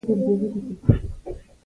پطرول د سلنډر په د ننه کې رودل کیږي.